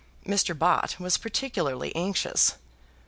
Mr. Bott was particularly anxious.